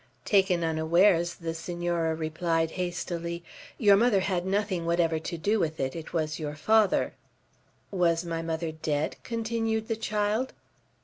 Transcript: Taken unawares, the Senora replied hastily: "Your mother had nothing whatever to do with it. It was your father." "Was my mother dead?" continued the child.